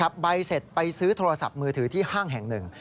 ใบเสร็จไปซื้อโทรศัพท์มือถือที่ห้างแห่งหนึ่ง